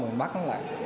mà mình bắt nó lại